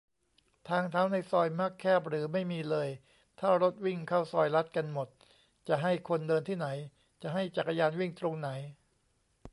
ทางเท้าในซอยมักแคบ หรือไม่มีเลย ถ้ารถวิ่งเข้าซอยลัดกันหมด จะให้คนเดินที่ไหน ? จะให้จักรยานวิ่งตรงไหน ?